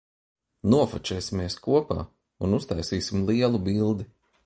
Nofočēsimies kopā un uztaisīsim lielu bildi.